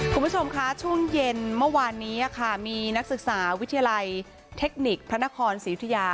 คุณผู้ชมคะช่วงเย็นเมื่อวานนี้ค่ะมีนักศึกษาวิทยาลัยเทคนิคพระนครศรียุธิยา